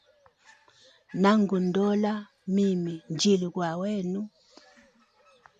Na ngu ndola mimi, njili gwa wenu.